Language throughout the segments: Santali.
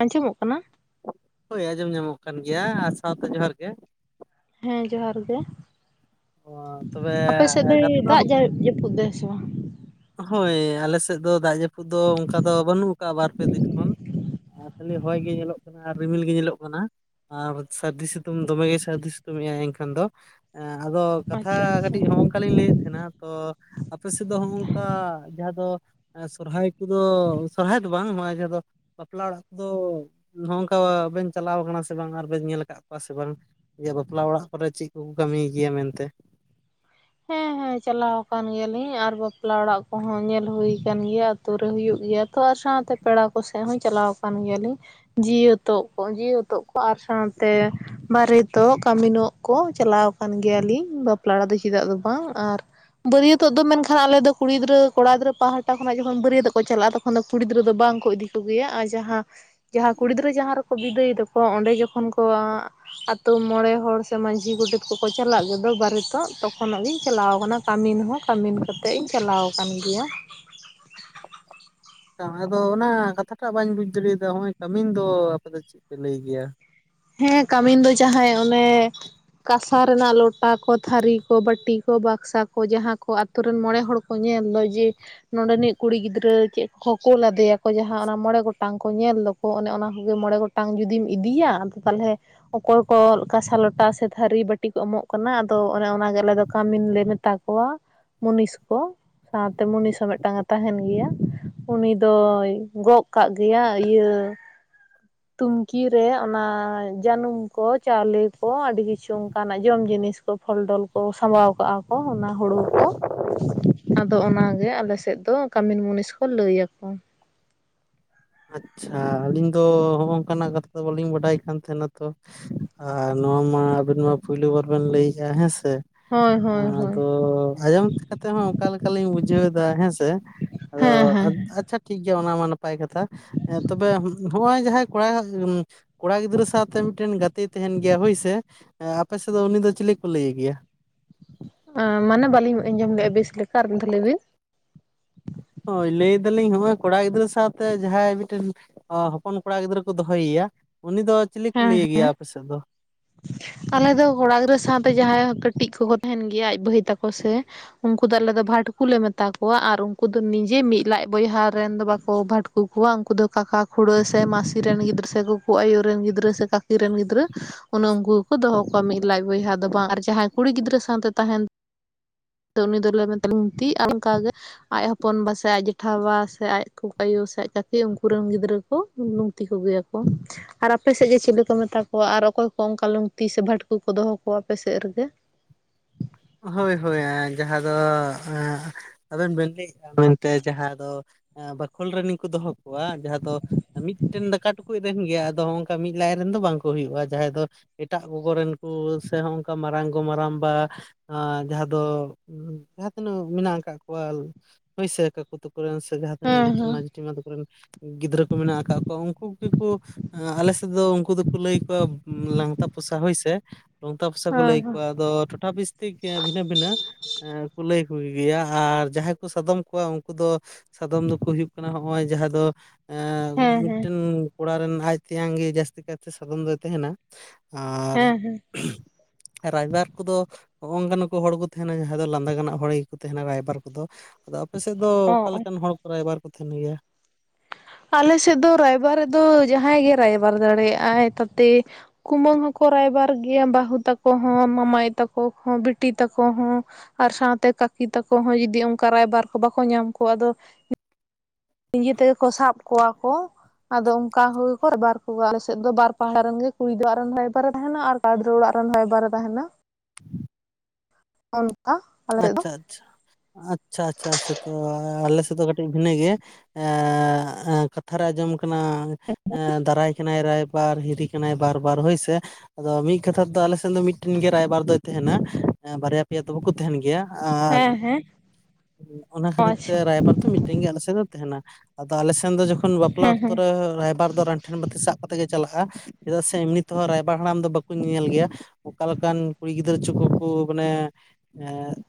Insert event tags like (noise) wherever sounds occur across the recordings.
ᱟᱸᱡᱚᱢᱚᱜ ᱠᱟᱱᱟ? ᱦᱳᱭ ᱟᱸᱡᱚᱢ ᱧᱟᱢᱚᱜ ᱠᱟᱱ ᱜᱮᱭᱟ, ᱟᱨ ᱥᱟᱶᱛᱮ ᱡᱚᱦᱟᱨ ᱜᱮ᱾ ᱦᱮᱸ ᱡᱚᱦᱟᱨ ᱜᱮ, ᱚ ᱛᱚᱵᱮ ᱟᱯᱮ ᱥᱮᱫ ᱫᱚᱭ ᱠᱟᱛᱷᱟ ᱫᱚ ᱫᱟᱜ ᱡᱟ ᱡᱟᱹᱯᱩᱫ ᱫᱟᱭ ᱥᱮ ᱵᱟᱝ? ᱦᱳᱭ ᱟᱞᱮᱥᱮᱜ ᱫᱚ ᱫᱟᱜ ᱡᱟᱹᱯᱩ ᱫᱚ ᱚᱝᱠᱟ ᱫᱚ ᱵᱟᱹᱱᱩᱜ ᱟᱠᱟᱜᱼᱟ, ᱵᱟᱨ ᱯᱮ ᱫᱤᱱ ᱠᱷᱚᱱ ᱟᱨ ᱠᱷᱟᱹᱞᱤ ᱦᱚᱭ ᱜᱮ ᱧᱮᱞᱚᱜ ᱠᱟᱱᱟ᱾ ᱟᱨ ᱨᱤᱢᱤᱞ ᱜᱮ ᱧᱮᱞᱚᱜ ᱠᱟᱱᱟ, ᱟᱨ ᱥᱟᱹᱨᱫᱤ ᱥᱤᱛᱩᱝ ᱫᱚᱢᱮᱜᱮᱭ ᱥᱟᱹᱨᱫᱤ ᱥᱤᱛᱝ ᱮ ᱟᱭ ᱮᱝᱠᱷᱟᱱ ᱫᱚ ᱟᱫᱚ ᱠᱟᱛᱷᱟ ᱟᱪᱪᱷᱟ ᱟᱪᱪᱷᱟ ᱠᱟᱹᱴᱤᱡ ᱦᱚᱸᱠ ᱟᱞᱤᱧ ᱞᱟᱹᱭᱮᱫ ᱛᱟᱦᱮᱱᱟ ᱛᱚ ᱟᱯᱮ ᱥᱮᱫ ᱫᱚ ᱱᱚᱜᱼᱝᱠᱟ ᱡᱟᱦᱟᱸ ᱫᱚ ᱥᱚᱨᱦᱟᱭ ᱠᱚᱫᱚ ᱥᱚᱦᱨᱟᱭ ᱫᱚ ᱵᱟᱝ ᱱᱚᱣᱟ ᱪᱟᱸᱫᱚ ᱵᱟᱯᱞᱟ ᱚᱲᱟᱜ ᱠᱚᱫᱚ ᱱᱚᱜᱝᱠᱟ ᱵᱮᱱ ᱪᱟᱞᱟᱣ ᱟᱠᱟᱱᱟ ᱥᱮ ᱵᱟᱝ? ᱟᱨ ᱵᱮᱱ ᱧᱮᱞ ᱟᱠᱟᱜ ᱠᱚᱣᱟ ᱥᱮ ᱵᱟᱝ? ᱤᱭᱟ. ᱵᱟᱯᱞᱟ ᱚᱲᱟᱜ ᱠᱚᱨᱮ ᱪᱮᱜ ᱠᱚ ᱠᱚ ᱠᱟᱹᱢᱤᱭ ᱜᱮᱭᱟ ᱢᱮᱱᱛᱮ? ᱦᱮᱸ ᱦᱮᱸ ᱪᱟᱞᱟᱣ ᱟᱠᱟᱱ ᱜᱮᱭᱟᱞᱤᱧ ᱟᱨ ᱵᱟᱯᱞᱟ ᱚᱲᱟᱜ ᱠᱚᱦᱚᱸ ᱧᱮᱞ ᱦᱩᱭ ᱟᱠᱟᱱ ᱜᱮᱭᱟ, ᱟᱛᱳ ᱨᱮ ᱦᱩᱭᱩᱜ ᱜᱮᱭᱟ ᱛᱚ ᱟᱨ ᱥᱟᱶᱛᱮ ᱯᱮᱲᱟ ᱠᱚᱥᱮᱜ ᱦᱚᱸᱧ ᱪᱟᱞᱟᱣ ᱟᱠᱟᱱ ᱜᱮᱭᱟᱞᱤᱧ, ᱡᱤᱣᱛᱚᱜ ᱠᱚ ᱡᱤᱣᱛᱚᱜ ᱠᱚ ᱟᱨ ᱥᱟᱶᱛᱮ ᱵᱟᱨᱮᱛᱚ ᱠᱟᱹᱢᱤ ᱱᱚᱜ ᱠᱚ ᱪᱟᱞᱟᱣ ᱟᱠᱟᱱ ᱜᱮᱭᱟᱞᱤᱧ, ᱵᱟᱯᱞᱟᱲᱟᱜ ᱫᱚ ᱪᱮᱫᱟᱜ ᱫᱚ ᱵᱟᱝ ᱟᱨ ᱵᱟᱹᱨᱭᱟᱹᱛᱚᱜ ᱫᱚ ᱢᱮᱱᱠᱷᱟᱱ ᱟᱞᱮᱫ ᱫᱚ ᱠᱩᱲᱤ ᱜᱤᱫᱽᱨᱟᱹ ᱠᱚᱲᱟ ᱜᱤᱫᱽᱨᱟᱹ ᱯᱟᱦᱟ ᱠᱷᱚᱱᱟᱜ ᱡᱚᱠᱷᱚᱱ ᱵᱟᱹᱨᱭᱟᱹᱛᱚᱜ ᱠᱚ ᱪᱟᱞᱟᱜᱼᱟ, ᱛᱚ (inaudible) ᱠᱩᱲᱤ ᱜᱤᱫᱽᱨᱟᱹ ᱫᱚ ᱵᱟᱝ ᱠᱚ ᱤᱫᱤ ᱠᱚᱜᱮᱭᱟ, ᱟᱨ ᱡᱟᱸᱦᱟᱸ ᱡᱟᱸᱦᱟ ᱠᱩᱲᱤ ᱜᱤᱫᱽᱨᱟᱹ ᱡᱟᱦᱟᱸ ᱨᱮᱠᱚ ᱵᱤᱫᱟᱹᱭ ᱮᱫᱚᱠᱚ ᱚᱸᱰᱮ ᱡᱚᱠᱷᱚᱱ ᱠᱚ ᱟᱛᱳ ᱢᱚᱬᱮ ᱦᱚᱲ ᱥᱮ ᱢᱟᱺᱡᱷᱤ ᱜᱚᱰᱮᱛ ᱠᱚᱠᱚ ᱪᱟᱞᱟᱜ ᱜᱮᱫᱚ ᱵᱟᱨᱮᱛᱚᱜ ᱛᱚ ᱠᱷᱚᱱᱚᱜ ᱜᱤᱧ ᱪᱟᱞᱟᱣ ᱟᱠᱟᱱᱟ ᱠᱟᱹᱢᱤᱱ ᱦᱚᱸ ᱠᱟᱹᱢᱤᱱ ᱠᱟᱛᱮᱜ ᱤᱧ ᱪᱟᱞᱟᱣ ᱟᱠᱟᱱ ᱜᱮᱭᱟ᱾ (inaudible) ᱚᱱᱟ ᱠᱟᱛᱷᱟᱴᱟᱜ ᱵᱟᱹᱧ ᱵᱩᱡ ᱫᱟᱲᱮᱭᱼᱟᱫᱟ ᱱᱚᱜᱼᱚᱭ ᱠᱟᱹᱢᱤᱱ ᱫᱚ ᱟᱯᱮ ᱫᱚ ᱪᱮᱜ ᱯᱮ ᱞᱟᱹᱭ ᱜᱮᱭᱟ? ᱦᱮᱸ ᱠᱟᱹᱢᱤᱱ ᱫᱚ ᱡᱟᱸᱦᱟᱸᱭ ᱚᱱᱮ ᱠᱟᱥᱟ ᱨᱮᱱᱟᱜ ᱞᱚᱴᱟ ᱠᱚ ᱛᱷᱟᱹᱨᱤ ᱠᱚ ᱵᱟᱹᱴᱤ ᱠᱚ ᱵᱟᱠᱥᱟ ᱠᱚ ᱡᱟᱸᱦᱟᱸ ᱠᱚ ᱟᱛᱩ ᱨᱤᱱ ᱢᱚᱬᱮ ᱦᱚᱲ ᱠᱚ ᱧᱮᱞ ᱫᱚ ᱡᱮ ᱱᱚᱰᱮᱱᱤᱜ ᱠᱩᱲᱤ ᱜᱤᱫᱽᱨᱟᱹ ᱪᱮᱜ ᱠᱚ ᱠᱩᱞ ᱟᱫᱮᱭᱟ ᱠᱚ, ᱡᱟᱸᱦᱟᱸ ᱚᱱᱟ ᱢᱚᱬᱮ ᱜᱚᱴᱟᱝ ᱠᱚ ᱧᱮᱞ ᱫᱚᱠᱚ ᱠᱚ ᱚᱱᱮ ᱚᱱᱟ ᱠᱚᱜᱮ ᱢᱚᱬᱮ ᱜᱚᱴᱟᱝ ᱡᱩᱫᱤᱢ ᱤᱫᱤᱭᱟ ᱟᱫᱚ ᱛᱟᱞᱦᱮ ᱚᱠᱚᱭ ᱠᱚ ᱠᱟᱥᱟ ᱞᱚᱴᱟ ᱥᱮ ᱛᱷᱟᱹᱨᱤ ᱵᱟᱹᱴᱤ ᱠᱚ ᱮᱢᱚᱜ ᱠᱟᱱᱟ, ᱟᱫᱚ ᱚᱱᱮ ᱚᱱᱟᱜᱮ ᱟᱞᱮ ᱫᱚ ᱠᱟᱹᱢᱤᱱ ᱞᱮ ᱢᱮᱛᱟᱠ ᱠᱚᱣᱟ ᱢᱩᱱᱤᱥ ᱠᱚ᱾ ᱥᱟᱶᱛᱮ ᱢᱩᱱᱤᱥ ᱦᱚᱸ ᱢᱤᱫᱴᱟᱝᱼᱮ ᱛᱟᱦᱮᱱ ᱜᱮᱭᱟ, ᱩᱱᱤ ᱫᱚᱭ ᱜᱚᱜ ᱠᱟᱜ ᱜᱮᱭᱟ ᱤᱭᱟᱹ ᱛᱩᱝᱠᱤ ᱨᱮ ᱚᱱᱟ ᱡᱟᱹᱱᱩᱢ ᱠᱚ ᱪᱟᱣᱞᱮ ᱠᱚ, ᱟᱹᱰᱤ ᱠᱤᱪᱷᱩ ᱚᱱᱠᱟᱱᱟᱜ ᱡᱚᱢ ᱡᱤᱱᱤᱥ ᱠᱚ ᱯᱷᱚᱞ ᱰᱚᱞ ᱠᱚ, ᱥᱟᱢᱵᱟᱣ ᱠᱟᱜᱼᱟ᱾ ᱚᱱᱟ ᱦᱩᱲᱩ ᱠᱚ ᱟᱫᱚ ᱚᱱᱟᱜᱮ ᱟᱞᱮ ᱥᱮᱫ ᱫᱚ ᱠᱟᱢᱤᱱ ᱢᱩᱱᱤᱥ ᱠᱚ ᱞᱟᱹᱭᱟᱠᱚ᱾ ᱟᱪᱪᱷᱟ ᱟᱹᱞᱤᱧ ᱫᱚ ᱦᱚᱜᱼᱚ ᱱᱟᱝᱠᱟᱱᱟᱜ ᱠᱟᱛᱷᱟ ᱫᱚ ᱵᱟᱹᱞᱤᱧ ᱵᱟᱰᱟᱭ ᱠᱟᱱ ᱛᱟᱦᱮᱱᱟ, ᱛᱚ ᱟᱨ ᱱᱚᱣᱟ ᱢᱟ ᱟᱹᱵᱤᱱ ᱢᱟ ᱯᱳᱭᱞᱩ ᱵᱟᱨ ᱵᱮᱱ ᱞᱟᱹᱭᱮᱜᱼᱟ ᱦᱮᱸ ᱥᱮ᱾ ᱦᱳᱭ ᱟ ᱦᱳᱭ ᱦᱳᱭ ᱫᱚ ᱟᱸᱡᱚᱢ ᱠᱟᱛᱮᱜ ᱦᱚᱸ ᱚᱠᱟ ᱞᱮᱠᱟᱞᱤᱧ ᱵᱩᱡᱷᱟᱹᱣ ᱮᱫᱟ, ᱦᱮᱸᱥᱮ ᱟᱫᱚ ᱦᱮᱸ ᱦᱮᱸ ᱟᱪᱪᱷᱟ ᱴᱷᱤᱠ ᱜᱮᱭᱟ ᱚᱱᱟ ᱢᱟ ᱱᱟᱯᱟᱭ ᱠᱟᱛᱷᱟ, ᱛᱚᱵᱮ ᱱᱚᱜᱼᱚᱭ ᱡᱟᱸᱦᱟᱸᱭ ᱠᱚᱲᱟ ᱩᱸ ᱠᱚᱲᱟ ᱜᱤᱫᱽᱨᱟᱹ ᱥᱟᱶᱛᱮ ᱢᱤᱫᱴᱮᱱ ᱜᱟᱛᱮᱭ ᱛᱟᱦᱮᱱ ᱜᱮᱭᱟ ᱦᱳᱭᱥᱮ, ᱟᱯᱮ ᱥᱮ ᱫᱚ ᱩᱱᱤ ᱫᱚ ᱪᱤᱞᱤ ᱠᱚ ᱞᱟᱹᱭᱮ ᱜᱮᱭᱟ? ᱢᱟᱱᱮ ᱵᱟᱹᱞᱤᱧ ᱟᱸᱡᱚᱢ ᱞᱮᱼᱟ ᱵᱮᱥ ᱞᱮᱠᱟ ᱟᱨ ᱢᱤᱫᱷᱟ ᱞᱟᱹᱭ ᱵᱤᱱ᱾ ᱦᱳᱭ ᱞᱟᱹᱭ ᱮᱫᱟᱞᱤᱧ ᱦᱚᱸᱚᱭ ᱠᱚᱲᱟ ᱜᱤᱫᱽᱨᱟᱹ ᱥᱟᱶᱛᱮ ᱡᱟᱸᱦᱟᱸᱭ ᱢᱤᱴᱮᱱ ᱚ ᱦᱚᱯᱚᱱ ᱠᱚᱲᱟ ᱜᱤᱫᱽᱨᱟᱹ ᱠᱚ ᱫᱚᱦᱚᱭᱮᱭᱟ, ᱩᱱᱤ ᱫᱚ ᱪᱤᱞᱤ ᱠᱚ ᱦᱮᱸ ᱞᱟᱹᱭᱮ ᱜᱮᱭᱟ ᱟᱯᱮ ᱥᱮᱜ ᱫᱚ? ᱟᱞᱮ ᱫᱚ ᱠᱚᱲᱟ ᱜᱤᱫᱽᱨᱟᱹ ᱥᱟᱶᱛᱮ ᱡᱟᱸᱦᱟᱸᱭ ᱠᱟᱹᱴᱤᱡ ᱠᱚᱠᱚ ᱛᱟᱦᱮᱱ ᱜᱮᱭᱟ ᱟᱡ ᱵᱷᱟᱹᱭ ᱛᱟᱠᱚ ᱥᱮ ᱩᱱᱠᱩ ᱫᱚ ᱟᱞᱮ ᱫᱚ ᱵᱷᱟᱴᱠᱩ ᱞᱮ ᱢᱮᱛᱟ ᱠᱚᱣᱟ, ᱟᱨ ᱩᱱᱠᱩ ᱫᱚ ᱱᱤᱡᱮ ᱢᱤᱫ ᱞᱟᱡ ᱵᱚᱭᱦᱟ ᱨᱮᱱ ᱫᱚ ᱵᱟᱠᱚ ᱵᱷᱟᱴ ᱠᱩ ᱠᱚᱣᱟ ᱩᱱᱠᱩ ᱫᱚ ᱠᱟᱠᱟ ᱠᱷᱩᱲᱟᱹ ᱥᱮ ᱢᱟᱹᱥᱤ ᱨᱮᱱ ᱜᱤᱫᱽᱨᱟᱹ, ᱥᱮ ᱠᱩᱠᱩ ᱟᱭᱩ ᱨᱮᱱ ᱜᱤᱫᱽᱨᱟᱹ, ᱥᱮ ᱠᱟᱠᱤ ᱨᱮᱱ ᱜᱤᱫᱽᱨᱟᱹ᱾ ᱚᱱᱮ ᱩᱱᱠᱩ ᱜᱮᱠᱚ ᱫᱚᱦᱚ ᱠᱚᱣᱟ ᱢᱤᱫ ᱞᱟᱡ ᱵᱚᱭᱦᱟ ᱫᱚ ᱵᱟᱝ, ᱟᱨ ᱡᱟᱦᱟᱸᱭ ᱠᱩᱲᱤ ᱜᱤᱫᱽᱨᱟᱹ ᱥᱟᱶᱛᱮ ᱛᱟᱦᱮᱱ ᱩᱱᱤ ᱫᱚᱞᱮ ᱢᱮᱛᱮ ᱞᱩᱸᱛᱤ ᱟᱨ ᱚᱱᱠᱟᱜᱮ ᱟᱭ ᱦᱚᱯᱚᱱ ᱵᱟ ᱥᱮ ᱟᱡ ᱡᱮᱴᱷᱟ ᱵᱟ ᱥᱮ ᱟᱭᱜ ᱠᱩᱠᱩ ᱟᱭᱳ ᱥᱮ ᱟᱡ ᱠᱟᱠᱤ ᱩᱱᱠ ᱨᱮᱱ ᱜᱤᱫᱽᱨᱟᱹ ᱠᱚ ᱞᱩᱸᱛᱤ ᱠᱚᱜᱮᱭᱟᱠᱚ ᱟᱨ ᱟᱯᱮ ᱥᱮᱜ ᱜᱮ ᱪᱤᱞᱤ ᱠᱚ ᱢᱮᱛᱟ ᱠᱚᱣᱟ? ᱟᱨ ᱚᱠᱚ ᱚᱝᱠᱟ ᱞᱩᱝᱛᱤ ᱥᱮ ᱵᱷᱟᱴᱠᱩ ᱠᱚ ᱫᱚᱦᱚ ᱠᱚᱣᱟ ᱟᱯᱮᱥᱮᱫ ᱨᱮᱜᱮ? ᱦᱳᱭ ᱦᱳᱭ ᱡᱟᱦᱟᱸ ᱫᱚ ᱟᱵᱮᱱ ᱵᱮᱱ ᱤᱜ ᱫᱟ ᱢᱮᱱᱛᱮ ᱡᱟᱦᱟᱸ ᱫᱚ ᱵᱟᱠᱷᱳᱞᱨᱮ ᱱᱤᱝ ᱠᱚ ᱫᱚᱦᱚ ᱠᱚᱣᱟ ᱡᱟᱦᱟᱸ ᱫᱚ ᱢᱤᱫᱴᱮᱱ ᱫᱟᱠᱟ ᱴᱩᱠᱩᱡ ᱨᱮᱱ ᱜᱮ ᱟᱫᱚ ᱱᱚᱜᱝᱠᱟ ᱢᱤᱫ ᱞᱟᱭᱤᱱ ᱨᱮᱱ ᱫᱚ ᱵᱟᱝ ᱠᱚ ᱦᱩᱭᱩᱜ-ᱟ ᱡᱟᱦᱟᱸᱭ ᱫᱚ ᱮᱴᱟᱜ ᱜᱚᱜᱚ ᱨᱮᱱ ᱠᱚ ᱥᱮ ᱦᱚᱸᱝᱠᱟ ᱢᱟᱨᱟᱝ ᱜᱚ ᱢᱟᱨᱟᱝ ᱵᱟ ᱟᱸ ᱡᱟᱦᱟᱸ ᱫᱚ ᱡᱟᱦᱟᱸ ᱛᱤᱱᱟᱹᱜ ᱢᱮᱱᱟᱜ ᱠᱟᱫ ᱠᱚᱣᱟ ᱦᱟᱹᱭᱥᱟᱹ ᱥᱮ ᱠᱩ ᱛᱟᱠᱩ ᱨᱮᱱ ᱥᱮ ᱡᱟᱦᱟᱸ ᱛᱤᱱᱟᱹᱜ ᱡᱤᱴᱤᱢᱟᱹ ᱡᱷᱤᱴᱷᱤ ᱢᱟ ᱛᱟ ᱠᱚᱨᱮᱱ ᱜᱤᱫᱽᱨᱟᱹ ᱠᱚ ᱢᱮᱱᱟᱜ ᱟᱠᱟᱫ ᱠᱚᱣᱟ ᱩᱱᱠᱩ ᱜᱮᱠᱚ ᱟᱞᱮ ᱥᱮᱫ ᱫᱚ ᱩᱱᱠᱩ ᱫᱚᱠᱚ ᱞᱟᱹᱭ ᱠᱚᱣᱟ ᱞᱟᱝᱛᱟ ᱯᱚᱥᱟ ᱦᱚᱭ ᱥᱮ ᱞᱚᱝᱛᱟ ᱯᱚᱥᱟ ᱠᱚ ᱞᱟᱹᱭ ᱦᱮᱸ ᱦᱮᱸ ᱠᱚᱣᱟ ᱟᱫᱚ ᱴᱚᱴᱷᱟ ᱵᱤᱥᱛᱤ ᱜᱮ ᱵᱷᱤᱱᱟᱹ ᱵᱷᱤᱱᱟᱹ ᱮᱸ ᱞᱟᱹᱭ ᱠᱚᱜᱮᱭᱟ ᱟᱨ ᱡᱟᱦᱟᱸᱭ ᱠᱚ ᱥᱟᱫᱚᱢ ᱠᱚᱣᱟ ᱩᱱᱠᱩ ᱫᱚ ᱥᱟᱫᱚᱢ ᱫᱚᱠᱚ ᱦᱩᱭᱩᱜ ᱠᱟᱱᱟ ᱦᱚᱜᱚᱭ ᱡᱟᱦᱟᱸ ᱫᱚ ᱮ ᱦᱮᱸ ᱦᱮᱸ ᱢᱤᱫᱴᱮᱱ ᱠᱚᱲᱟ ᱨᱮᱱ ᱟᱡ ᱛᱮᱭᱟᱝ ᱜᱮ ᱡᱟᱹᱥᱛᱤ ᱠᱟᱭᱛᱮ ᱥᱟᱫᱚᱢ ᱫᱚᱭ ᱛᱟᱦᱮᱱᱟ ᱟᱨ ᱦᱮᱸ ᱦᱮᱸ ᱨᱟᱭᱵᱟᱨ ᱠᱚᱫᱚ ᱦᱚᱜ ᱱᱚᱝᱠᱟᱱ ᱠᱚ ᱦᱚᱲ ᱠᱚ ᱛᱟᱦᱮᱱᱟ ᱡᱟᱦᱟᱸᱭ ᱫᱚ ᱞᱟᱸᱫᱟᱱᱟᱜ ᱦᱚᱲ ᱜᱮᱠᱚ ᱛᱟᱦᱮᱱᱟ ᱨᱟᱭᱵᱟᱨ ᱠᱚᱫᱚ ᱟᱫᱚ ᱟᱵ ᱯᱮᱥᱮᱫ ᱫᱚ ᱚ ᱚᱠᱟ ᱚ ᱞᱮᱠᱟᱱ ᱦᱚᱲ ᱠᱚ ᱨᱟᱭᱵᱟᱨ ᱠᱚ ᱛᱟᱦᱮᱱ ᱜᱮᱭᱟ? ᱟᱞᱮ ᱥᱮᱫ ᱫᱚ ᱨᱟᱭᱵᱟᱨ ᱨᱤᱫ ᱫᱚ ᱡᱟᱸᱦᱟᱭ ᱜᱮ ᱨᱟᱭᱵᱟᱨ ᱫᱟᱲᱮᱭᱟᱜᱟᱭ ᱛᱟᱛᱮ ᱠᱩᱢᱟᱹᱝ ᱦᱚᱸᱠᱚ ᱨᱟᱭᱵᱟᱨ ᱜᱮᱭᱟ ᱵᱟᱹᱦᱩ ᱛᱟᱠᱚ ᱦᱚᱸ ᱢᱟᱢᱟ ᱟᱭᱳ ᱛᱟᱠᱚ ᱦᱚᱸ ᱵᱤᱴᱤ ᱛᱟᱠᱚ ᱦᱚᱸ᱾ ᱟᱨ ᱥᱟᱶᱛᱮ ᱠᱟᱠᱤ ᱛᱟᱠᱚ ᱦᱚᱸ ᱡᱩᱫᱤ ᱚᱱᱠᱟ ᱨᱟᱭᱵᱟᱨ ᱠᱚ ᱵᱟᱠᱚ ᱧᱟᱢ ᱠᱚᱣᱟ ᱟᱫᱚ ᱱᱸᱤᱡᱮ ᱛᱮᱜᱮ ᱠᱚ ᱥᱟᱵ ᱠᱚᱣᱟ ᱠᱚ ᱟᱫᱚ ᱚᱱᱠᱟ ᱦᱩ ᱠᱚᱨ ᱠᱚ ᱵᱟᱨ ᱠᱚ ᱟᱞᱮ ᱥᱮᱫ ᱫᱚ ᱵᱟᱨ ᱯᱟᱦᱟ ᱨᱮᱱ ᱜᱮ ᱠᱩᱲᱤ ᱫᱚ ᱟᱨ ᱨᱮᱱ ᱮᱵᱟᱨᱮ ᱛᱟᱦᱮᱱᱟ ᱟᱨ ᱠᱚᱲᱟ ᱜᱤᱫᱽᱨᱟᱹ ᱚᱲᱟᱜ ᱨᱮᱱ ᱨᱟᱭᱵᱟᱨᱮ ᱛᱟᱦᱮᱱᱟ ᱚᱱᱠᱟ ᱟᱞᱮ ᱥᱮ ᱫᱚ ᱟᱪᱪᱷᱟ ᱟᱪᱪᱷᱟ ᱟᱪᱪᱷᱟ ᱪᱷᱟ ᱛᱚ ᱟᱞᱮ ᱥᱮᱫ ᱫᱚ ᱠᱟᱹᱴᱤᱡ ᱵᱷᱤᱱᱟᱹ ᱜᱮᱭᱟ ᱮᱸ ᱠᱟᱛᱷᱟ ᱨᱮ ᱟᱸᱡᱚᱢ ᱠᱟᱱᱟ ᱫᱟᱨᱟᱭ ᱠᱟᱱᱟᱭ ᱨᱟᱭ ᱵᱟᱨ ᱦᱤᱨᱤ ᱠᱟᱱᱟᱭ ᱵᱟᱨ ᱵᱟᱨ ᱦᱳᱭ ᱥᱮ ᱟᱫᱚ ᱢᱤᱫ ᱠᱟᱛᱷᱟ ᱛᱮᱫᱚ ᱟᱞᱮᱥᱮᱫ ᱫᱚ ᱢᱤᱫᱴᱮᱱ ᱜᱮ ᱨᱟᱭᱵᱟᱨ ᱫᱚᱭ ᱛᱟᱦᱮᱱᱟ ᱵᱟᱨᱭᱟ ᱯᱮᱭᱟ ᱫᱚ ᱵᱟᱠᱚ ᱛᱟᱦᱮᱱ ᱜᱮᱭᱟ ᱟᱨ ᱦᱮᱸ ᱦᱮᱸ ᱚᱱᱟ ᱚ ᱠᱷᱟᱹᱛᱤᱨ ᱛᱮ ᱟᱪᱪᱷᱟ ᱨᱟᱭᱵᱟᱨ ᱫᱚ ᱢᱤᱫ ᱴᱤ ᱜᱮ ᱟᱞᱮᱥᱮᱫ ᱫᱚ ᱛᱟᱦᱮᱸᱱᱟ ᱟᱫᱚ ᱟᱞᱮᱥᱱ ᱫᱚ ᱡᱚᱠᱷᱚᱱ ᱵᱟᱯᱞᱟᱜ ᱚᱠᱛᱚ ᱨᱮ ᱨᱟᱭᱵᱟᱨ ᱫᱚ ᱨᱮᱱ ᱴᱷᱮᱱ ᱵᱛᱤ ᱥᱟᱵ ᱠᱟᱛᱮᱫ ᱜᱮ ᱪᱟᱞᱟᱜ-ᱟ ᱪᱮᱫᱟᱜ ᱥᱮ ᱮᱢᱱᱤ ᱛᱮᱦᱚᱸ ᱨᱟᱭᱵᱟᱨ ᱦᱟᱲᱟᱢ ᱫᱚ ᱵᱟᱠᱚ ᱧᱮᱞ ᱜᱮᱭᱟ ᱚᱠᱟᱞᱮᱠᱟᱱ ᱠᱩᱲᱤ ᱜᱤᱫᱽᱨᱟᱹ ᱪᱚᱠᱩ ᱠᱚ ᱢᱟᱱᱮ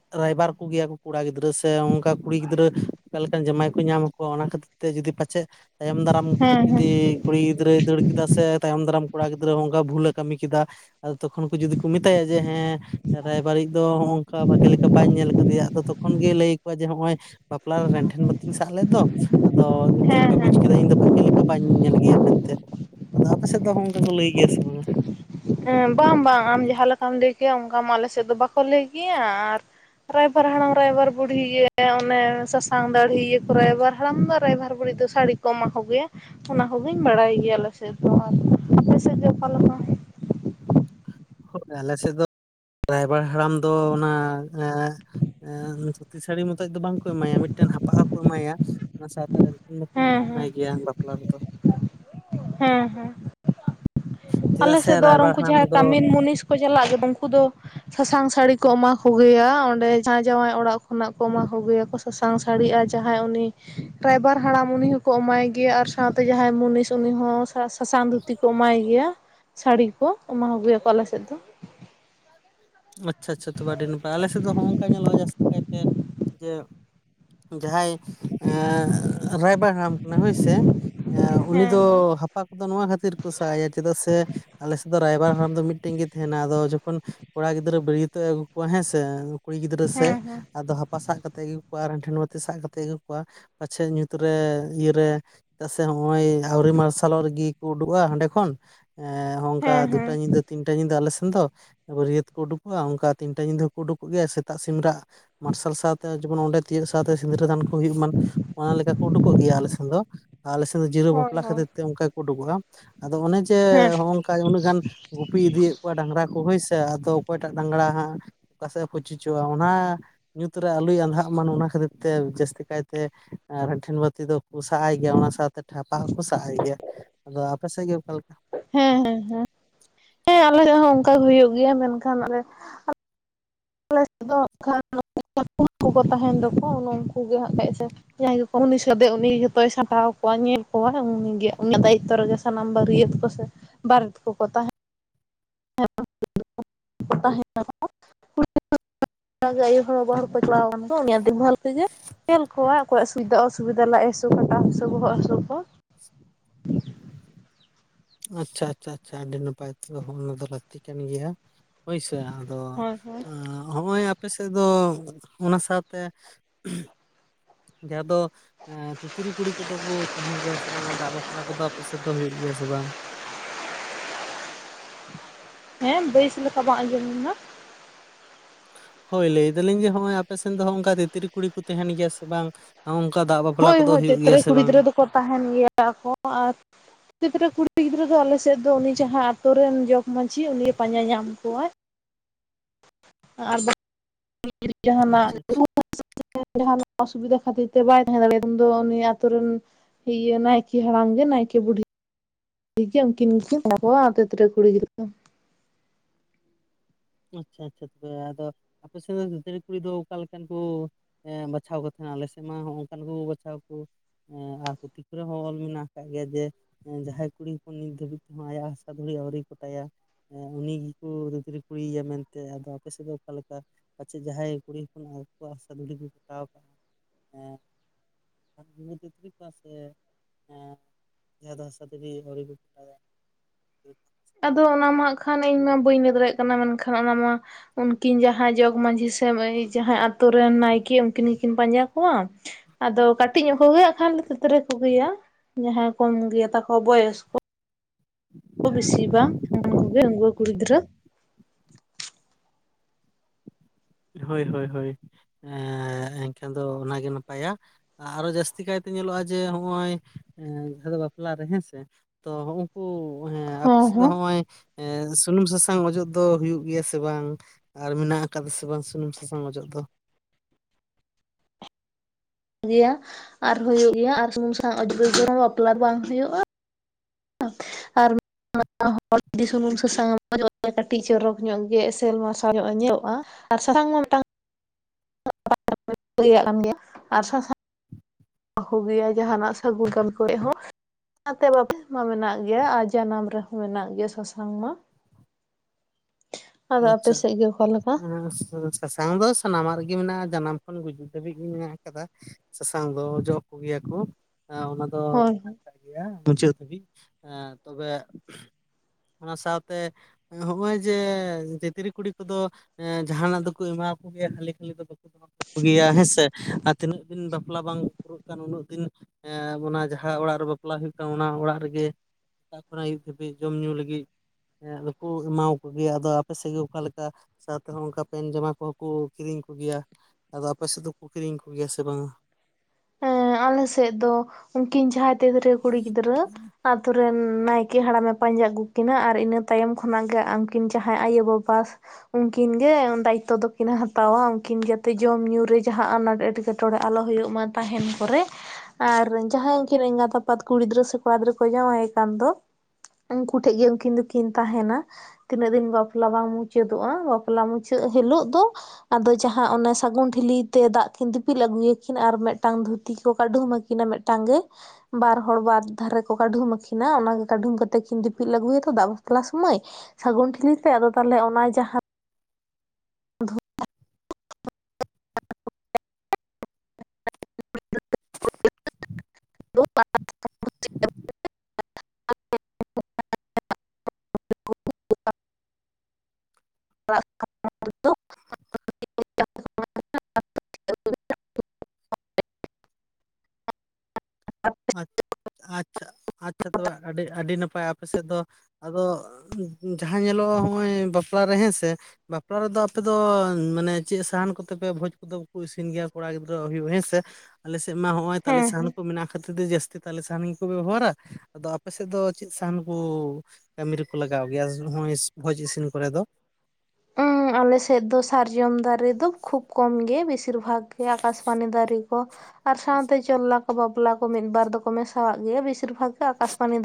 ᱮᱜ ᱨᱟᱭᱵᱟᱨ ᱠᱚᱜᱮᱭᱟ ᱠᱚᱲᱟ ᱜᱤᱫᱽᱨᱟᱹ ᱥᱮ ᱚᱱᱠᱟ ᱠᱩᱲᱤ ᱜᱤᱫᱽᱨᱟᱹ ᱚᱠᱟᱞᱮᱠᱟᱱ ᱡᱟᱢᱟᱭ ᱠᱚ ᱧᱟᱢ ᱠᱚᱣᱟ ᱚᱱᱟ ᱠᱷᱟᱹᱛᱤᱨ ᱛᱮ ᱛᱮ ᱡᱩᱫᱤ ᱯᱟᱪᱮᱫ ᱛᱟᱭᱚᱢ ᱫᱟᱨᱟᱢ ᱦᱮᱸ ᱦᱮᱸ ᱡᱩᱫᱤ ᱠᱩᱲᱤ ᱜᱤᱫᱽᱨᱟᱹ ᱫᱟᱹᱲ ᱠᱮᱫᱟ ᱥᱮ ᱛᱟᱭᱚᱢ ᱫᱟᱨᱟᱢ ᱠᱚᱲᱟ ᱜᱤᱫᱽᱨᱟᱹ ᱦᱚᱸ ᱵᱷᱩᱞᱮ ᱠᱟᱹᱢᱤ ᱠᱮᱫᱟ ᱟᱫᱚ ᱛᱚᱠᱷᱚᱱ ᱠᱚ ᱡᱩᱫᱤ ᱠᱚ ᱢᱮᱛᱟᱭᱟ ᱡᱮ ᱦᱮᱸ ᱨᱟᱭᱵᱟᱨᱤᱡ ᱫᱚ ᱦᱚᱜᱚᱝ ᱠᱟ ᱵᱷᱟᱜᱮ ᱞᱮᱠᱟ ᱵᱟᱭ ᱧᱮᱞ ᱠᱟᱫᱮᱭᱟ ᱟᱫᱚ ᱛᱚᱠᱷᱚᱱ ᱜᱮ ᱞᱟᱹᱭ ᱠᱚᱣᱟ ᱡᱮ ᱱᱚᱜ ᱵᱟᱯᱞᱟ ᱨᱮᱱ ᱨᱮᱱᱴᱷᱮᱱ ᱵᱟᱫ ᱛᱤᱧ ᱥᱟᱵ ᱞᱮᱫ ᱫᱚ ᱟᱫᱚ ᱪᱮᱫ ᱦᱮᱸ ᱯᱮ ᱵᱩᱡᱽ ᱦᱮᱸ ᱠᱮᱫᱟ ᱤᱧᱫᱚ ᱵᱷᱟᱹᱜᱤ ᱞᱮᱠᱟ ᱵᱟᱹᱧ ᱧᱮᱞ ᱜᱮᱭᱟ ᱢᱮᱱᱛᱮ᱾ ᱟᱫᱚ ᱟᱯᱮ ᱥᱮᱫ ᱫᱚ ᱦᱚᱸᱜᱚᱝ ᱠᱟ ᱠᱚ ᱞᱟᱹᱭ ᱜᱮᱭᱟ ᱥᱮ ᱵᱟᱝᱟ? ᱮ ᱵᱟᱝ ᱵᱟᱝ ᱟᱢ ᱡᱟᱦᱟᱸ ᱞᱮᱠᱟᱢ ᱞᱟᱹᱭ ᱠᱮᱭᱟ ᱚᱱᱠᱟ ᱢᱟ ᱟᱞᱮ ᱥᱮᱫ ᱫᱚ ᱵᱟᱠᱚ ᱞᱟᱹᱭ ᱠᱮᱭᱟ ᱟᱨ ᱨᱟᱭᱵᱟᱨ ᱦᱟᱲᱟᱢ ᱨᱟᱭᱵᱟᱨ ᱵᱩᱰᱦᱤ ᱜᱮ ᱚᱱᱮ ᱥᱟᱥᱟᱝ ᱫᱟᱲᱦᱤ ᱠᱚ ᱨᱟᱭᱵᱟᱨ ᱦᱟᱲᱟᱢ ᱫᱚ ᱨᱟᱭᱵᱟᱨ ᱵᱩᱰᱦᱤ ᱫᱚ ᱥᱩ ᱥᱟᱹᱲᱤ ᱠᱚ ᱮᱢᱟ ᱠᱚᱜᱮᱭᱟ ᱚᱱᱟ ᱠᱚᱜᱮᱧ ᱵᱟᱲᱟᱭ ᱜᱮᱭᱟ ᱟᱞᱮ ᱥᱮᱫ ᱫᱚ ᱟᱯᱮ ᱥᱮᱫ ᱫᱚ ᱚᱠᱟ ᱞᱮᱠᱟ? ᱦᱳ ᱟᱞᱮᱥᱮᱫ ᱫᱚ ᱨᱟᱭᱵᱟᱨ ᱦᱟᱲᱟᱢ ᱫᱚ ᱚᱱᱟ ᱮ ᱮ ᱥᱩᱛᱤ ᱥᱟᱹᱲᱤ ᱢᱚᱛᱚᱡ ᱫᱚ ᱵᱟᱝᱠᱚ ᱮᱢᱟᱭᱟ ᱢᱤᱫᱴᱮᱱ ᱦᱟᱯᱟᱜ ᱦᱚᱸᱠᱚ ᱮᱢᱟᱭᱟ ᱚᱱᱟ ᱥᱛᱣᱛᱮ ᱦᱮᱸ ᱦᱮᱸ (inaudible) ᱜᱮᱭᱟ ᱵᱟᱯᱞᱟ ᱨᱮ ᱫᱚ ᱦᱮᱸ ᱦᱮᱸ ᱪᱮᱫᱟᱜ ᱟᱞᱮ ᱥᱮ ᱥᱮᱫ ᱫᱚ ᱟᱨ ᱨᱟᱭᱵᱟᱨ ᱩᱱᱠᱩ ᱦᱟᱲᱟᱢ ᱫᱚ ᱠᱟᱢᱤ ᱢᱩᱱᱤᱥ ᱠᱚ ᱪᱟᱞᱟᱜ ᱜᱮ ᱩᱱᱠᱩ ᱫᱚ ᱥᱟᱥᱟᱝ ᱥᱟᱹᱲᱤ ᱠᱚ ᱮᱢᱟ ᱠᱚᱜᱮᱭᱟ ᱚᱸᱰᱮ ᱡᱟᱦᱟ ᱡᱟᱶᱟᱭ ᱚᱲᱟᱜ ᱠᱷᱚᱱᱟᱜ ᱠᱚ ᱮᱢᱟ ᱠᱚᱜᱮᱭᱟ ᱠᱳ ᱥᱟᱥᱟᱝ ᱥᱟᱹᱲᱤᱜᱼᱟ ᱡᱟᱦᱟᱸᱭ ᱩᱱᱤ ᱨᱟᱭᱵᱟᱨ ᱦᱟᱲᱟᱢ ᱩᱱᱤ ᱦᱚᱸᱠᱚ ᱮᱢᱟᱭ ᱜᱮᱭᱟ ᱟᱨ ᱥᱟᱶᱛᱮ ᱡᱟᱦᱟᱸᱭ ᱢᱩᱱᱤᱥ ᱩᱱᱤ ᱦᱚᱸ᱾ ᱥᱟᱥᱟᱝ ᱫᱷᱩᱛᱤ ᱠᱚ ᱮᱢᱟᱭ ᱜᱮᱭᱟ, ᱥᱟᱹᱲᱤ ᱠᱚ ᱮᱢᱟ ᱠᱚ ᱜᱮᱭᱟ ᱠᱚ ᱟᱞᱮ ᱥᱮᱫ ᱫᱚ᱾ ᱟᱪᱪᱷᱟ ᱟᱪᱪᱷᱟ ᱛᱚᱵᱮ ᱟᱹᱰᱤ ᱱᱟᱯᱟᱭ, ᱟᱞᱮ ᱥᱮᱫ ᱫᱚ ᱦᱚᱸᱜᱼᱚ ᱱᱚᱝᱠᱟ ᱧᱮᱞᱚᱜᱼᱟ ᱡᱟᱹᱥᱛᱤ ᱠᱟᱭᱛᱮ ᱡᱮ ᱡᱟᱦᱟᱸᱭ ᱮᱻ ᱨᱟᱭᱵᱟᱨ ᱦᱟᱲᱟᱢ ᱠᱟᱱᱟᱭ ᱦᱳᱭ ᱥᱮ, ᱩᱱᱤ ᱦᱮᱸ ᱫᱚ ᱜᱟᱯᱟ ᱠᱚᱫᱚ ᱱᱚᱣᱟ ᱠᱷᱟᱹᱛᱤᱨ ᱠᱚ ᱥᱟᱦᱟᱭᱟ ᱪᱮᱫᱟᱜ ᱥᱮ ᱟᱞᱮ ᱥᱮᱫ ᱫᱚ ᱨᱟᱭᱵᱟᱨ ᱦᱟᱲᱟᱢ ᱫᱚ ᱢᱤᱫᱴᱮᱱ ᱜᱮ ᱛᱟᱦᱮᱱᱟ ᱟᱫᱚ ᱡᱚᱠᱷᱚᱱ ᱠᱚᱲᱟ ᱜᱤᱫᱽᱨᱟᱹ ᱵᱟᱹᱨᱭᱟᱹᱛᱚᱜ ᱮ ᱟᱹᱜᱩ ᱠᱚᱣᱟ ᱦᱮᱸ ᱥᱮ, ᱠᱩᱲᱤ ᱜᱤᱫᱽᱨᱟᱹ ᱥᱮ ᱦᱮᱸ ᱦᱮᱸ ᱦᱮᱸ ᱟᱫᱚ ᱦᱟᱯ ᱦᱟᱯᱟ ᱥᱟᱵ ᱠᱟᱛᱮᱫ ᱟᱹᱜᱩ ᱠᱚᱣᱟ ᱟᱨ ᱦᱟᱱᱤ ᱴᱷᱮᱱ ᱢᱟ ᱛᱤ ᱥᱟᱵ ᱠᱟᱛᱮᱫ ᱟᱹᱜᱩ ᱠᱚᱣᱟ, ᱯᱟᱪᱷᱮᱫ ᱧᱩᱛ ᱨᱮ ᱤᱭᱟᱹ ᱨᱮ ᱪᱮᱫᱟᱜ ᱥᱮ ᱦᱚᱸᱜᱼᱚᱭ ᱟᱹᱣᱨᱤ ᱢᱟᱨᱥᱟᱞᱚᱜ ᱨᱮᱜᱮ ᱠᱚ ᱩᱰᱩᱠᱼᱟ ᱦᱟᱸᱰᱮ ᱠᱷᱚᱱ᱾ ᱮ ᱦᱚᱸᱜ ᱦᱮᱸ ᱚᱱᱠᱟ ᱦᱮᱸ ᱫᱩᱴᱟ ᱧᱤᱫᱟᱹ, ᱛᱤᱱᱴᱟ ᱧᱤᱫᱟᱹ ᱟᱞᱮ ᱥᱮᱱ ᱫᱚ᱾ ᱵᱟᱹᱨᱭᱟᱹᱛ ᱠᱚ ᱩᱰᱩᱠᱚᱜᱼᱟ ᱚᱱᱠᱟ ᱛᱤᱱᱴᱟ ᱧᱤᱫᱟᱹ ᱦᱚᱸ ᱠᱚ ᱩᱰᱩᱠᱚᱜ ᱜᱮᱭᱟ ᱥᱮᱛᱟᱜ ᱥᱤᱢ ᱨᱟᱜ᱾ ᱢᱟᱨᱥᱟᱞ ᱥᱟᱶᱛᱮ ᱡᱮᱢᱚᱱ ᱚᱸᱰᱮ ᱛᱤᱭᱳᱜ ᱥᱟᱶᱛᱮ ᱥᱤᱸᱫᱨᱟᱹ ᱫᱟᱱ ᱠᱚ ᱦᱳᱭᱚᱜ ᱮᱢᱟᱱ ᱚᱱᱟ ᱞᱮᱠᱟ ᱠᱚ ᱩᱰᱩᱠᱚᱜ ᱜᱮᱭᱟ ᱟᱞᱮ ᱥᱮᱱ ᱫᱚ᱾ ᱟᱞᱮ ᱥᱮᱫ ᱫᱚ ᱡᱤᱨᱟᱹᱣ ᱦᱳᱭ ᱵᱟᱯᱞᱟ ᱦᱳᱭ ᱠᱷᱟᱹᱛᱤᱨ ᱛᱮ ᱚᱱᱠᱟ ᱜᱮ ᱠᱚ ᱩᱰᱩᱠᱚᱜᱼᱟ, ᱟᱫᱚ ᱚᱱᱮ ᱡᱮ ᱦᱮᱸ ᱦᱚᱸᱜᱼᱚᱝᱠᱟ ᱩᱱᱟᱹᱜ ᱜᱟᱱ ᱜᱩᱯᱤ ᱤᱫᱤᱭᱮᱫ ᱠᱚᱣᱟ ᱰᱟᱝᱨᱟ ᱠᱚ ᱦᱳᱭ ᱥᱮ ᱟᱫᱚ ᱚᱠᱚᱭᱴᱟᱜ ᱰᱟᱝᱨᱟ ᱦᱟᱸᱜ ᱚᱠᱟ ᱥᱮᱫ ᱮ ᱯᱩᱪᱩᱡᱚᱜᱼᱟ ᱚᱱᱟ ᱧᱩᱛ ᱨᱮ ᱟᱞᱚᱭ ᱟᱸᱫᱷᱟᱜ ᱢᱟ ᱚᱱᱟ ᱠᱷᱟᱹᱛᱤᱨ ᱛᱮ ᱡᱟᱹᱥᱛᱤ ᱠᱟᱭᱛᱮ ᱟᱨ ᱨᱮᱱ-ᱴᱷᱮᱱ ᱵᱟᱹᱛᱤ ᱫᱚᱠᱚ ᱥᱟᱵ ᱟᱭ ᱜᱮᱭᱟ, ᱚᱱᱟ ᱥᱟᱶᱛᱮ ᱴᱷᱟᱯᱟ ᱦᱚᱸ ᱠᱚ ᱥᱟᱵ ᱟᱭ ᱜᱮᱭᱟ᱾ ᱟᱫᱚ ᱟᱯᱮ ᱥᱮᱫ ᱜᱮ ᱚᱠᱟ ᱞᱮᱠᱟ? ᱦᱮᱸ ᱦᱮᱸ ᱦᱮᱸ, ᱦᱮᱸ ᱟᱞᱮ ᱥᱮᱫ ᱦᱚᱸ ᱚᱱᱠᱟ ᱜᱮ ᱦᱩᱭᱩᱜ ᱜᱮᱭᱟ ᱢᱮᱱᱠᱷᱟᱱ ᱟᱞᱮ ᱟᱞᱮ ᱥᱮᱫ ᱫᱚ ᱦᱟᱸᱜ ᱠᱷᱟᱱ (inaudible) ᱠᱚᱠᱚ ᱛᱟᱦᱮᱱ ᱫᱚ ᱠᱚ ᱚᱱᱮ ᱩᱱᱠᱩ ᱜᱮ ᱦᱟᱸᱜ ᱠᱷᱟᱡ ᱥᱮ ᱡᱟᱦᱟᱸᱭ ᱜᱮᱠᱚ ᱩᱱᱤ ᱥᱟᱫᱮ ᱩᱱᱤ ᱡᱷᱚᱛᱚᱭ ᱥᱟᱸᱴᱟᱮ ᱠᱚᱭᱟ ᱧᱮᱞ ᱠᱚᱣᱟᱭ ᱩᱱᱤ ᱜᱮ ᱩᱱᱤᱭᱟᱜ ᱫᱟᱭᱤᱛᱛᱚ ᱨᱮᱜᱮ ᱥᱟᱱᱟᱢ ᱵᱟᱹᱨᱭᱟᱛ ᱠᱚ ᱥᱮ ᱵᱟᱨᱮᱛ ᱠᱚᱠᱚ ᱛᱟᱸᱦᱮ (inaudible) ᱛᱟᱦᱮᱱᱟ (inaudible) (inaudible) ᱚᱱᱟ ᱜᱮ ᱟᱭᱩ ᱦᱚᱲ ᱵᱟᱵᱟ ᱦᱚᱲ ᱠᱚ ᱪᱟᱞᱟᱣ ᱠᱟᱱ ᱫᱚ ᱩᱱᱤᱭᱟᱜ ᱫᱮᱠᱷᱵᱷᱟᱞ ᱛᱮᱜᱮ ᱧᱮᱞ ᱠᱚᱣᱟᱭ ᱚᱠᱚᱭᱟᱜ ᱥᱩᱵᱤᱫᱟ ᱚᱥᱩᱵᱤᱫᱷᱟ ᱞᱟᱡ ᱦᱟᱹᱥᱩ ᱠᱟᱴᱟ ᱦᱟᱹᱥᱩ ᱵᱚᱦᱚᱜ ᱦᱟᱹᱥᱩ ᱠᱚ᱾ ᱟᱪᱪᱷᱟ ᱟᱪᱪᱷᱟ ᱟᱪᱪᱷᱟ ᱟᱹᱰᱤ ᱱᱟᱯᱟᱭ ᱦᱚᱸᱜ ᱚᱱᱟ ᱫᱚ ᱞᱟᱹᱠᱛᱤ ᱠᱟᱱ ᱜᱮᱭᱟ ᱦᱳᱭ ᱥᱮ ᱟᱨ ᱟᱫᱚ ᱦᱳᱭ ᱦᱳᱭ ᱦᱚᱜᱼᱚᱭ ᱟᱯᱮᱥᱮᱫ ᱫᱚ ᱚᱱᱟ ᱥᱟᱶᱛᱮ ᱡᱟᱦᱟᱸ ᱫᱚ ᱮᱸ ᱛᱤᱛᱨᱤ ᱠᱩᱲᱤ ᱠᱚᱫᱚ ᱠᱚ ᱛᱟᱦᱮᱱ ᱜᱮᱭᱟ ᱥᱮ ᱵᱟᱝ ᱫᱟᱜ ᱵᱟᱯᱞᱟ ᱠᱚᱫᱚ ᱟᱯᱮ ᱥᱮᱫ ᱫᱚ ᱦᱩᱭᱩᱜ ᱜᱮᱭᱟ ᱥᱮ ᱵᱟᱝ? ᱦᱮᱸ ᱵᱮᱥ ᱞᱮᱠᱟ ᱵᱟᱝ ᱟᱸᱡᱚᱢ ᱞᱮᱱᱟ᱾ ᱦᱳᱭ ᱞᱟᱹᱭ ᱫᱟᱞᱤᱧ ᱡᱮ ᱦᱚᱜ-ᱚᱭ ᱟᱯᱮᱥᱮᱱ ᱫᱚ ᱦᱚᱸᱜ-ᱝᱚᱱᱠᱟ ᱛᱤᱛᱨᱤ ᱠᱩᱲᱤ ᱠᱚ ᱛᱟᱦᱮᱱ ᱜᱮᱭᱟ ᱥᱮ ᱵᱟᱝ? ᱦᱚᱸᱜᱼᱚᱝᱠᱟ ᱫᱟᱜ ᱵᱟᱯᱞᱟ ᱠᱚᱫᱚ ᱦᱩᱭᱩᱜ ᱜᱮᱭᱟ ᱥᱮ ᱵᱟᱝ? ᱠᱚ ᱛᱟᱦᱮᱱ ᱜᱮᱭᱟ ᱠᱚ ᱟᱨ ᱛᱤᱛᱨᱤ ᱠᱩᱲᱤ ᱜᱤᱫᱽᱨᱟᱹ ᱫᱚ ᱟᱞᱮᱥᱮᱫ ᱫᱚ ᱩᱱᱤ ᱡᱟᱦᱟᱸᱭ ᱟᱛᱳ ᱨᱮᱱ ᱡᱚᱜᱽ ᱢᱟᱺᱡᱷᱤ ᱩᱱᱤ ᱜᱮ ᱯᱟᱸᱡᱟ ᱧᱟᱢ ᱠᱚᱣᱟᱭ᱾ (inaudible) ᱡᱟᱦᱟᱱᱟᱜ ᱟᱪᱪᱷᱟ (unintelligible) ᱟᱪᱪᱷᱟ (unintelligible) ᱡᱟᱦᱟᱱᱟᱜ ᱚᱥᱩᱵᱤᱫᱟ ᱠᱷᱟᱹᱛᱤᱨ ᱛᱮ ᱵᱟᱭ ᱛᱟᱦᱮᱸ ᱫᱟᱲᱮᱭᱟᱫᱟ ᱩᱱ ᱫᱚ ᱩᱱᱤ ᱟᱛᱳ ᱨᱮᱱ ᱦᱮᱸ ᱤᱭᱟ ᱱᱟᱭᱠᱮ ᱦᱟᱲᱟᱢ ᱜᱮ ᱱᱟᱭᱠᱮ ᱵᱩᱰᱷᱤ ᱴᱷᱤᱠ ᱜᱮᱭᱟ ᱩᱱᱠᱤᱱ ᱜᱮᱠᱤᱱ (unintelligible) ᱠᱚᱣᱟ ᱛᱤᱛᱨᱤ ᱠᱩᱲᱤ ᱜᱤᱫᱽᱨᱟᱹ ᱫᱚ᱾ ᱟᱪᱪᱷᱟ ᱟᱪᱪᱷᱟ ᱛᱚᱵᱮ ᱟᱫᱚ ᱟᱯᱮ ᱥᱮᱱ ᱫᱚ ᱛᱤᱛᱨᱤ ᱠᱩᱲᱤ ᱫᱚ ᱚᱠᱟ ᱞᱮᱠᱟᱱ ᱠᱚ ᱵᱟᱪᱷᱟᱣ ᱠᱚ ᱛᱟᱦᱮᱱᱟ, ᱟᱞᱮ ᱥᱮᱫ ᱢᱟ ᱦᱚᱸᱜᱼᱚᱝᱠᱟᱱ ᱠᱚ ᱠᱚ ᱵᱟᱪᱷᱟᱣ ᱠᱚ᱾ ᱟᱨ ᱯᱩᱛᱷᱤ ᱠᱚᱨᱮ ᱦᱚᱸ ᱚᱞ ᱢᱮᱱᱟᱜ ᱟᱠᱟᱫ ᱜᱮᱭᱟ ᱡᱮ ᱡᱟᱦᱟᱸᱭ ᱠᱩᱲᱤ ᱦᱚᱯᱚᱱ ᱱᱤᱛ ᱫᱷᱟᱹᱵᱤᱡ ᱛᱮᱦᱚᱸ ᱟᱭᱟᱜ ᱦᱟᱥᱟ ᱫᱷᱩᱲᱤ ᱟᱹᱣᱨᱤ ᱜᱚᱴᱟᱭᱟ ᱩᱱᱤ ᱜᱮ ᱠᱚ ᱛᱤᱛᱨᱤ ᱠᱩᱲᱤᱭᱮᱭᱟ ᱢᱮᱱᱛᱮ ᱟᱫᱚ ᱟᱯᱮᱥᱮᱫ ᱫᱚ ᱚᱠᱟᱞᱮᱠᱟ? ᱯᱟᱪᱮᱫ ᱡᱟᱦᱟᱸᱭ ᱠᱩᱲᱤ ᱦᱚᱯᱱᱟᱜ ᱟᱠᱚᱣᱟᱜ ᱦᱟᱥᱟ ᱫᱷᱩᱲᱤ ᱠᱚ ᱠᱚᱴᱟᱣ ᱠᱟᱜᱼᱟ ᱩᱱᱠᱩ ᱠᱚ ᱛᱤᱛᱨᱤ ᱠᱚᱭᱟ ᱥᱮ ᱮᱸ ᱡᱟᱦᱟᱸ ᱫᱚ ᱦᱟᱥᱟ ᱫᱷᱩᱰᱤ ᱟᱣᱨᱤ ᱠᱚ ᱠᱚᱴᱟᱣᱟ᱾ ᱟᱫᱚ ᱚᱱᱟ ᱢᱟ ᱦᱟᱸᱜ ᱠᱷᱟᱱ ᱤᱧ ᱢᱟ ᱵᱟᱹᱧ ᱞᱟᱹᱭ ᱫᱟᱲᱮᱭᱟᱜ ᱠᱟᱱᱟ ᱢᱮᱱᱠᱷᱟᱱ ᱚᱱᱟ ᱢᱟ ᱩᱱᱠᱤᱱ ᱡᱟᱦᱟᱸᱭ ᱡᱚᱜᱽ ᱢᱺᱡᱷᱤ ᱥᱮ ᱡᱟᱦᱟᱸᱭ ᱟᱛᱩ ᱨᱮᱱ ᱱᱟᱭᱠᱮ ᱩᱱᱠᱤᱱ ᱜᱮ ᱠᱤᱱ ᱯᱟᱸᱡᱟ ᱠᱚᱣᱟ᱾ ᱟᱫᱚ ᱠᱟᱴᱤᱡ ᱧᱚᱜ ᱠᱚᱜᱮ ᱦᱟᱸᱜ ᱠᱷᱟᱱ ᱫᱚ ᱛᱤᱛᱨᱤ ᱠᱚ ᱜᱮᱭᱟ, ᱡᱟᱦᱟᱸᱭ ᱠᱚᱢ ᱜᱮᱭᱟ ᱛᱟᱠᱚ ᱵᱚᱭᱮᱥ ᱠᱚ᱾ ᱠᱚ ᱵᱤᱥᱤ ᱵᱟᱝ ᱚᱱᱠᱟᱱ ᱠᱚᱜᱮ ᱩᱱᱠᱩ ᱠᱩᱲᱤ ᱜᱤᱫᱽᱨᱟᱹ᱾ ᱦᱳᱭ ᱦᱳᱭ ᱦᱳᱭ ᱮᱸ ᱮᱱᱠᱷᱟᱱ ᱫᱚ ᱚᱱᱟᱜᱮ ᱱᱟᱯᱟᱭᱟ᱾ ᱟᱨᱚ ᱡᱟᱹᱥᱛᱤ ᱠᱟᱭᱛᱮ ᱧᱮᱞᱚᱜᱼᱟ ᱡᱮ ᱦᱚᱸᱜ-ᱚᱭ ᱡᱟᱦᱟᱸ ᱫᱚ ᱵᱟᱯᱞᱟ‌ ᱨᱮ ᱦᱮᱸ ᱥᱮ᱾ ᱛᱚ ᱦᱩ-ᱩᱸᱝ ᱠᱩ ᱦᱮᱸ ᱟᱯᱮ ᱦᱚᱸ ᱥᱮᱫ ᱫᱚ ᱦᱚᱸ ᱦᱚᱸᱜᱼᱚᱭ ᱮᱸ ᱥᱩᱱᱩᱢ ᱥᱟᱥᱟᱝ ᱚᱡᱚᱜ ᱫᱚ ᱦᱩᱭᱩᱜ ᱜᱮᱭᱟ ᱥᱮ ᱵᱟᱝ ᱟᱨ ᱢᱮᱱᱟᱜ ᱟᱠᱟᱫᱟ ᱥᱮ ᱥᱮ ᱵᱟᱝ ᱥᱩᱱᱩᱢ ᱥᱟᱥᱟᱝ ᱚᱡᱚᱜ ᱫᱚ ᱜᱮᱭᱟ ᱟᱨ ᱦᱩᱭᱩᱜ ᱜᱮᱭᱟ ᱟᱨ ᱥᱩᱱᱩᱢᱥᱟᱥᱟᱝ ᱚᱡᱚᱜ ᱵᱮᱜᱚᱨ ᱢᱟ ᱵᱟᱯᱞᱟ ᱫᱚ ᱵᱟᱝ ᱦᱩᱭᱩᱜᱼᱟ᱾ ᱟᱨ (unintelligible) ᱦᱚᱲ ᱡᱩᱫᱤ ᱥᱩᱱᱩᱢ ᱥᱟᱥᱟᱝ ᱮᱢ ᱚᱡᱚᱜ ᱟᱭᱟ ᱠᱟᱹᱴᱤᱡ ᱪᱚᱨᱚᱠ ᱧᱚᱜ ᱜᱮ ᱮᱥᱮᱞ ᱢᱟᱨᱥᱟᱞ ᱧᱚᱜ ᱮ ᱧᱮᱞᱚᱜᱼᱟ᱾ ᱟᱨ ᱥᱟᱥᱟᱝ ᱢᱟ ᱢᱤᱫᱴᱟᱝ ᱞᱟᱹᱭᱟᱜ ᱠᱟᱱ ᱜᱮᱭᱟ ᱟᱨ ᱥᱟᱥᱟᱝ (unintelligible) ᱡᱟᱦᱟᱱᱟᱜ ᱥᱟᱹᱜᱩᱱ ᱠᱟᱹᱢᱤ ᱠᱚᱨᱮᱜ ᱦᱚᱸ᱾ ᱚᱱᱟᱛᱮ ᱵᱟᱯᱞᱟ ᱢᱟ ᱢᱮᱱᱟᱜ ᱜᱮᱭᱟ ᱟᱨ ᱡᱟᱱᱟᱢ ᱨᱮᱦᱚᱸ ᱢᱮᱱᱟᱜ ᱜᱮᱭᱟ ᱥᱟᱥᱟᱝ ᱫᱚ᱾ ᱟᱫᱚ ᱟᱯᱮ ᱟᱪᱪᱷᱟ ᱥᱮᱫ ᱜᱮ ᱚᱠᱟ ᱞᱮᱠᱟ? (unintelligible) ᱥᱟᱥᱟᱝ ᱫᱚ ᱥᱟᱱᱟᱢᱟᱜ ᱨᱮᱜᱮ ᱢᱮᱱᱟᱜᱼᱟ᱾ ᱡᱟᱱᱟᱢ ᱠᱷᱚᱱ ᱜᱩᱡᱩᱜ ᱫᱷᱟᱹᱵᱤᱡ ᱜᱮ ᱢᱮᱱᱟᱜ ᱟᱠᱟᱫᱟ᱾ ᱥᱟᱥᱟᱝ ᱫᱚ ᱚᱡᱚᱜ ᱠᱚᱜᱮᱭᱟ ᱠᱚ ᱟ ᱚᱱᱟ ᱫᱚ ᱦᱳᱭ ᱢᱮᱱᱟᱜ ᱦᱳᱭ᱾ ᱟᱠᱟᱫ ᱢᱩᱪᱟᱹᱫ ᱫᱷᱟᱹᱵᱤᱡ ᱮᱸ ᱛᱚᱵᱮ ᱚᱱᱟ ᱥᱟᱶᱛᱮ ᱦᱚᱜᱼᱚᱭ ᱡᱮ ᱛᱤᱛᱨᱤ ᱠᱩᱲᱤ ᱠᱚᱫᱚ ᱮᱸ ᱡᱟᱦᱟᱱᱟᱜ ᱫᱚᱠᱚ ᱮᱢᱟ ᱠᱚᱜᱮᱭᱟ ᱠᱷᱟᱹᱞᱤ ᱠᱷᱟᱹᱞᱤ ᱫᱚ ᱵᱟᱠᱚ ᱠᱚᱜᱤᱭᱟ ᱦᱮᱸᱥᱮ ᱟᱨ ᱛᱤᱱᱟᱹᱜ ᱫᱤᱱ ᱵᱟᱯᱞᱟ ᱵᱟᱝ ᱯᱩᱨᱟᱹᱜ ᱠᱟᱱ ᱩᱱᱟᱹᱜ ᱫᱤᱱ ᱮᱸ ᱚᱱᱟ ᱡᱟᱦᱟᱸ ᱚᱲᱟᱜ ᱨᱮ ᱵᱟᱯᱞᱟ ᱦᱩᱭᱩᱜ ᱠᱟᱱᱟ ᱚᱱᱟ ᱚᱲᱟᱜ ᱨᱮᱜᱮ ᱥᱮᱴᱛᱜ ᱠᱷᱚᱱᱟᱜ ᱟᱹᱭᱩᱵ ᱫᱷᱟᱹᱵᱤᱡ ᱡᱚᱢ ᱧᱩ ᱞᱟᱹᱜᱤᱫ ᱫᱚᱠᱚ ᱮᱢᱟ ᱠᱚᱜᱮᱭᱟ᱾ ᱟᱫᱚ ᱟᱯ ᱯᱮ ᱥᱮᱜ ᱜᱮ ᱚᱠᱟ ᱞᱮᱠᱟ ᱥᱟᱶᱛᱮ ᱦᱚᱸᱜ-ᱚᱱᱠᱟ ᱯᱮᱱᱴ ᱡᱟᱢᱟ ᱠᱚᱦᱚᱸ ᱠᱚ ᱠᱤᱨᱤᱧ ᱠᱩᱜᱮᱭᱟ᱾ ᱟᱫᱚ ᱟᱯᱮ ᱥᱮᱫ ᱫᱚᱠᱚ ᱠᱤᱨᱤᱧ ᱠᱚᱜᱮᱭᱟ ᱥᱮ ᱵᱟᱝᱟ? ᱦᱮᱸ ᱟᱞᱮ ᱥᱮᱫ ᱫᱚ ᱩᱱᱠᱤᱱ ᱡᱟᱦᱟᱸᱭ ᱛᱟᱹᱛᱨᱟᱹ ᱠᱩᱲᱤ ᱜᱤᱫᱽᱨᱟᱹ ᱟᱛᱳ ᱨᱮᱱ ᱱᱟᱭᱠᱮ ᱦᱟᱲᱟᱢᱮ ᱯᱟᱸᱡᱟ ᱟᱹᱜᱩ ᱠᱤᱱᱟᱹ ᱟᱨ ᱤᱱᱟᱹ ᱛᱟᱭᱚᱢ ᱠᱷᱚᱱᱟᱜ ᱜᱮ ᱟᱹᱝᱠᱤᱱ ᱡᱟᱦᱟᱸᱭ ᱟᱭᱳᱼᱵᱟᱵᱟ ᱩᱱᱠᱤᱱ ᱜᱮ ᱫᱟᱭᱤᱛᱛᱚ ᱫᱚᱠᱤᱱ ᱦᱟᱛᱟᱣᱟ ᱩᱱᱠᱤᱱ ᱡᱟᱛᱮ ᱡᱚᱢ ᱧᱩ ᱨᱮ ᱡᱟᱦᱟᱸ ᱟᱱᱟᱴ ᱮᱸᱴᱠᱮᱴ ᱴᱚᱬᱮ ᱟᱞᱚ ᱦᱩᱭᱩᱜ ᱢᱟ ᱛᱟᱦᱮᱱ ᱯᱚᱨᱮ ᱟᱨ ᱡᱟᱦᱟᱸᱭ ᱩᱱᱠᱤᱱ ᱮᱸᱜᱟᱛ ᱟᱯᱟᱛ ᱠᱩᱲᱤ ᱜᱤᱫᱽᱨᱟᱹ ᱥᱮ ᱠᱚᱲᱟ ᱜᱤᱫᱽᱨᱟᱹ ᱠᱚ ᱡᱟᱶᱟᱭᱮ ᱠᱟᱱ ᱫᱚ᱾ ᱩᱱᱠᱩ ᱴᱷᱮᱡ ᱜᱮ ᱩᱱᱠᱤᱱ ᱫᱚᱠᱤᱱ ᱛᱟᱦᱮᱱᱟ᱾ ᱛᱤᱱᱟᱹᱜ ᱫᱤᱱ ᱵᱟᱯᱞᱟ ᱵᱟᱝ ᱢᱩᱪᱟᱹᱫᱟᱜ-ᱟ᱾ ᱵᱟᱯᱞᱟ ᱢᱩᱪᱟᱹᱫ ᱦᱤᱞᱳᱜ ᱫᱚ ᱟᱫᱚ ᱡᱟᱦᱟᱸ ᱚᱱᱮ ᱥᱟᱹᱜᱩᱱ ᱴᱷᱤᱞᱤ ᱛᱮ ᱫᱟᱜ ᱠᱤᱱ ᱫᱤᱯᱤᱞ ᱟᱹᱜᱩᱭᱟᱹᱠᱤᱱ ᱟᱨ ᱢᱤᱫᱴᱟᱝ ᱫᱷᱩᱛ ᱛᱤ ᱠᱚ ᱠᱟᱹᱰᱩᱢ ᱟᱹᱠᱤᱱᱟ ᱢᱤᱫᱴᱟᱝ ᱜᱮ᱾ ᱵᱟᱨ ᱦᱚᱲ ᱵᱟᱨ ᱫᱷᱟᱨᱮ ᱠᱚ ᱠᱟᱹᱰᱷᱩᱢ ᱟᱹᱠᱤᱱᱟ, ᱚᱱᱟ ᱜᱮ ᱠᱟᱹᱰᱩᱢ ᱠᱟᱛᱮ ᱠᱤᱱ ᱫᱤᱯᱤᱞ ᱟᱹᱜᱩᱭᱟᱛᱚ ᱫᱟᱜ ᱵᱟᱯᱞᱟ ᱥᱚᱢᱚᱭ᱾ ᱥᱟᱹᱜᱩᱱ ᱴᱷᱤᱞᱤ ᱛᱮ ᱟᱫᱚ ᱛᱟᱦᱚᱞᱮ ᱚᱱᱟ ᱡᱟᱦᱟᱸ ᱫᱷᱚᱛ (inaudible) (inaudible) (inaudible) ᱟ ᱟᱪᱪᱷᱟ ᱟᱪᱪᱷᱟ ᱛᱚᱵᱮ ᱟᱹᱰᱤ ᱟᱹᱰᱤ ᱱᱟᱯᱟᱭ ᱟᱯᱮ ᱥᱮᱫ ᱫᱚ᱾ ᱟᱫᱚᱻ ᱡᱟᱦᱟᱸ ᱧᱮᱞᱚᱜ-ᱟ ᱦᱚᱸᱜᱼ ᱚᱭ ᱵᱟᱯᱞᱟᱨᱮ ᱦᱮᱸᱥᱮ, ᱵᱟᱯᱞᱟ ᱨᱮᱫᱚ ᱟᱯᱮ ᱫᱚᱻ ᱢᱟᱱᱮ ᱪᱮᱫ ᱥᱟᱦᱟᱱ ᱠᱚᱛᱮ ᱯᱮ ᱵᱷᱳᱡᱽ ᱠᱚᱫᱚ ᱠᱚ ᱤᱥᱤᱱ ᱜᱮᱭᱟ ᱠᱚᱲᱟ ᱜᱤᱫᱽᱨᱟᱹ ᱦᱩᱭᱩᱜ ᱦᱮᱸᱥᱮ ᱟᱞᱮ ᱥᱮᱫ ᱢᱟ ᱦᱚᱸᱜ ᱚᱭ ᱛᱟᱞᱮ ᱦᱮᱸ ᱦᱮᱸ ᱥᱟᱦᱟᱱ ᱠᱚ ᱢᱮᱱᱟᱜ-ᱟ᱾ ᱠᱷᱟᱹᱛᱤᱨ ᱛᱮ ᱡᱟᱹᱥᱛᱤ ᱛᱟᱞᱮ ᱥᱟᱦᱟᱱ ᱜᱮᱠᱚ ᱵᱮᱵᱚᱦᱟᱨᱟ᱾ ᱟᱫᱚ ᱟᱯᱮ ᱥᱮᱫ ᱫᱚ ᱪᱮᱫ ᱥᱟᱦᱟᱱ ᱠᱚᱻ ᱠᱟᱹᱢᱤ ᱨᱮᱠᱚ ᱞᱟᱜᱟᱣ ᱜᱮᱭᱟ ᱱᱚᱜᱼᱚᱭ ᱵᱷᱚᱡᱽ ᱤᱥᱤᱱ ᱠᱚᱨᱮ ᱫᱚ? ᱩᱸ ᱟᱞᱮ ᱥᱮᱫ ᱫᱚ ᱥᱟᱨᱡᱚᱢ ᱫᱟᱨᱮ ᱫᱚ ᱠᱷᱩᱵ ᱠᱚᱢ ᱜᱮ ᱵᱮᱥᱤᱨ ᱵᱷᱟᱜᱽ ᱮ ᱟᱠᱟᱥ ᱵᱟᱱᱤ ᱫᱟᱨᱤ ᱠᱚ᱾ ᱟᱨ ᱥᱟᱶᱛᱮ ᱪᱚᱞᱞᱟ ᱠᱚ, ᱵᱟᱯᱞᱟ ᱠᱚ ᱢᱤᱫ ᱵᱟᱨ ᱫᱚᱠᱚ ᱢᱮᱥᱟᱣᱟᱜ ᱜᱮᱭᱟ᱾ ᱵᱮᱥᱤᱨ ᱵᱷᱟᱜᱽ ᱜᱮ ᱟᱠᱟᱥᱯᱟᱱᱤ ᱫᱚ